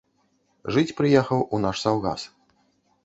Жыць прыехаў у наш саўгас.